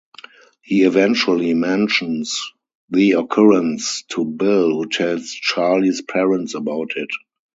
He eventually mentions the occurrence to Bill, who tells Charlie's parents about it.